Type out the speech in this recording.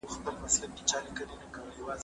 هغه وويل چي ليکلي پاڼي مهم دي؟